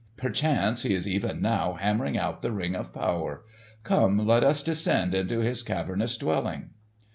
Perchance he is even now hammering out the Ring of Power. Come, let us descend into his cavernous dwelling."